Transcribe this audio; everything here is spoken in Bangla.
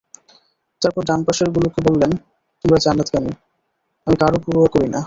তারপর ডান পাশের গুলোকে বললেন, তোমরা জান্নাতগামী, আমি কারো পরোয়া করি না।